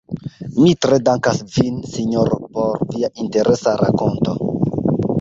Mi tre dankas vin, sinjoro, por via interesa rakonto.